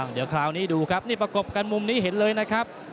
เดี๋ยวคราวนี้ดูครับนี่ประกบกันมุมนี้เห็นเลยนะครับ